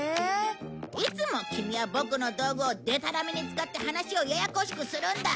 いつもキミはボクの道具をでたらめに使って話をややこしくするんだ！